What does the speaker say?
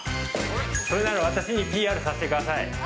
それなら私にＰＲさせてください。